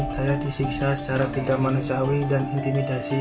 saya disiksa secara tidak manusiawi dan intimidasi